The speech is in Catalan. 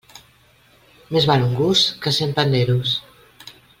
Més val un gust que cent panderos.